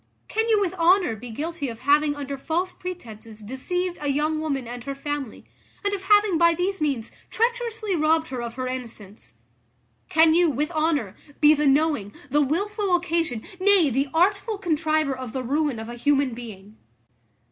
Can you with honour be guilty of having under false pretences deceived a young woman and her family, and of having by these means treacherously robbed her of her innocence? Can you, with honour, be the knowing, the wilful occasion, nay, the artful contriver of the ruin of a human being?